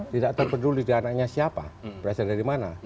tidak terpeduli dana nya siapa berasal dari mana